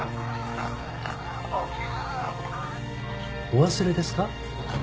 お忘れですか？